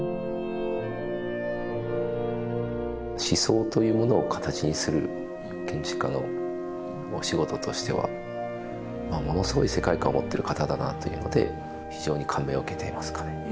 思想というものを形にする建築家のお仕事としてはものすごい世界観を持ってる方だなというので非常に感銘を受けていますかね。